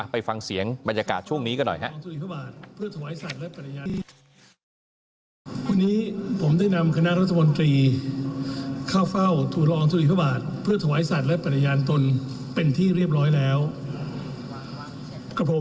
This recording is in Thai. ไปฟังเสียงบรรยากาศช่วงนี้กันหน่อยครับ